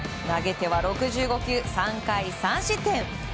投げては６５球３回３失点。